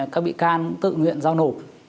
các bị can tự nguyện giao nộp